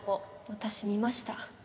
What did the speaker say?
私見ました。